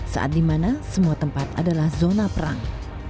saat di mana semua tempat adalah zona perang